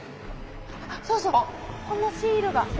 そうそうこのシールが。